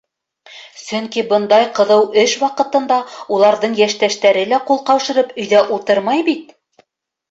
Сөнки бындай ҡыҙыу эш ваҡытында уларҙың йәштәштәре лә ҡул ҡаушырып өйҙә ултырмай бит.